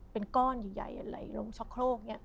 เป็นก้อนใหญ่ไหลลงชะโครก